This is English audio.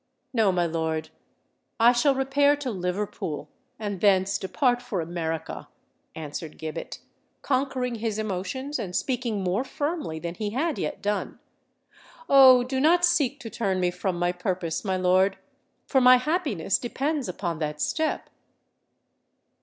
"No, my lord—I shall repair to Liverpool, and thence depart for America," answered Gibbet, conquering his emotions and speaking more firmly than he had yet done. "Oh! do not seek to turn me from my purpose, my lord—for my happiness depends upon that step."